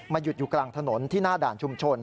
หยุดอยู่กลางถนนที่หน้าด่านชุมชน